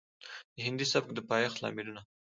د هندي سبک د پايښت لاملونه